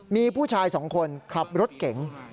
มีผู้ชาย๒คนขับรถเก๋ง